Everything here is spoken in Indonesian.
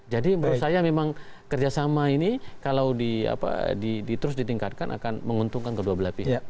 menurut saya memang kerjasama ini kalau terus ditingkatkan akan menguntungkan kedua belah pihak